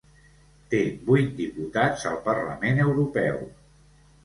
Té vuit diputats al Parlament Europeu.